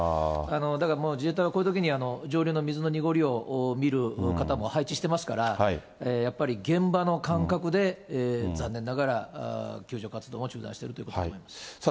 だからもう自衛隊はこういうときに上流の水の濁りを見る方も配置してますから、やっぱり現場の感覚で残念ながら救助活動を中断しているというこさあ